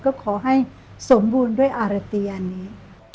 ก็ขอให้สมบูรณ์ด้วยอารตีอันนี้